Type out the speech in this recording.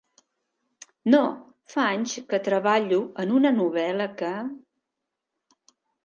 No, fa anys que treballo en una novel·la que...